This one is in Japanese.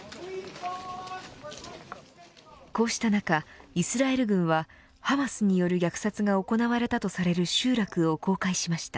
こうした中、イスラエル軍はハマスによる虐殺が行われたとされる集落を公開しました。